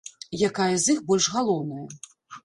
Якая з іх больш галоўная?